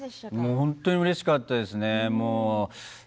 本当にうれしかったですね。